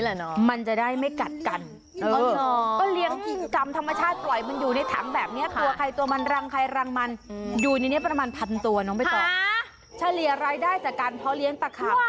เลยน้องมันจะได้ไม่กลัดกันเออก็เลี้ยงกามธรรมชาติปล่อยมันอยู่ในถ